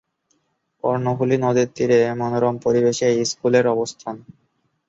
কর্ণফুলি নদীর তীরে মনোরম পরিবেশে এই স্কুলের অবস্থান।